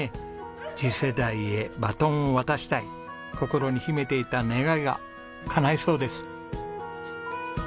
次世代へバトンを渡したい心に秘めていた願いがかないそうです。